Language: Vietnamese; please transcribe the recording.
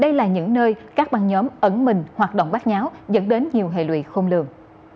đây là những nơi các ban nhóm ẩn mình hoạt động bát nháo dẫn đến nhiều hệ lụy không lường